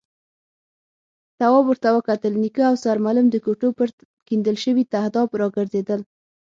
تواب ور وکتل، نيکه او سرمعلم د کوټو پر کېندل شوي تهداب راګرځېدل.